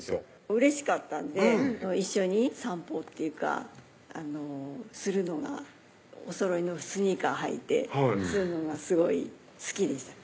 うれしかったんで一緒に散歩っていうかするのがお揃いのスニーカー履いてするのがすごい好きでした